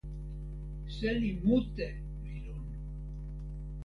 seli mute li lon.